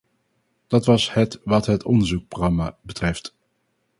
Dat was het wat het onderzoekprogramma betreft.